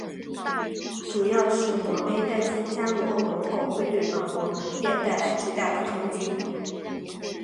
主要是挪威担心加入欧盟后会对本国农业带来巨大的冲击。